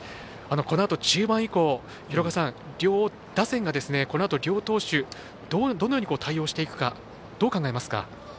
このあと中盤以降両打線が、このあと両投手どのように対応していくかどう考えますか？